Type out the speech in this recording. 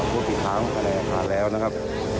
ท่านหวบฟุติทางไปในอักษรแล้วนะครับ